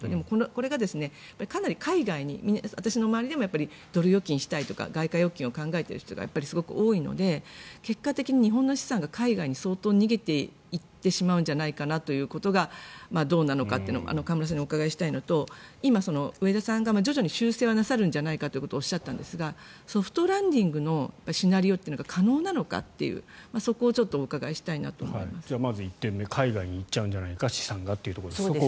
これがかなり海外に私の周りでもドル預金したいとか外貨預金を考えている人がすごく多いので、結果的に日本の資産が海外に相当、逃げていってしまうのではということがどうなのか河村さんにお伺いしたいのと今、植田さんが徐々に修正もあり得るんじゃないかとおっしゃったとソフトランディングのシナリオというのが可能なのかとまず１点目、海外に行っちゃうんじゃないか資産がということが。